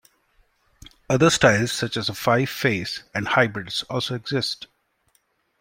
Other styles such as five-face and hybrids also exist.